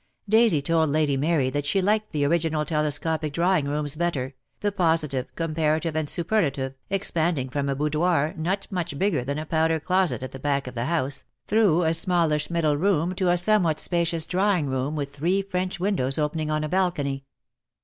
Daisy told Lady Mary that she liked the original telescopic drawing rooms better, the positive, com parative, and superlative, expanding from a boudoir not much bigger than a powder closet at the back of the house, through a smallish middle room, to a somewhat spacious drawing room with three French windows opening on a balcony.